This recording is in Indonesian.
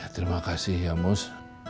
terima kasih ya mus